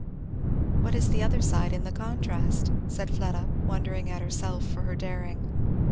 "What is the other side in the contrast?" said Fleda, wondering at herself for her daring.